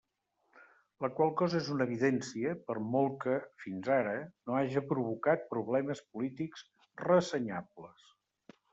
La qual cosa és una evidència, per molt que, fins ara, no haja provocat problemes polítics ressenyables.